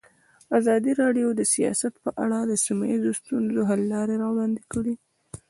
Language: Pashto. ازادي راډیو د سیاست په اړه د سیمه ییزو ستونزو حل لارې راوړاندې کړې.